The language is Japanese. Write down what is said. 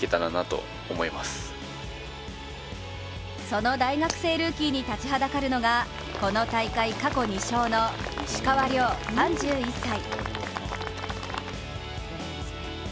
その大学生ルーキーに立ちはだかるのがこの大会、過去２勝の石川遼、３１歳。